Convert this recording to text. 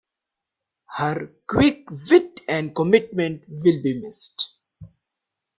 Her quick wit and commitment will be missed.